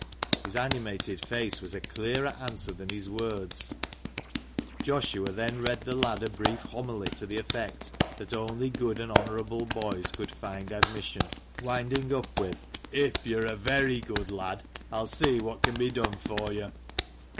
His animated face was a clearer answer than his words. THE MANCHESTER MAN. gg Joshua then read the lad a brief homily to the effect that only good and honourable boys could find admission, winding up with — "If you're a very good lad, I'll see what can be done for you."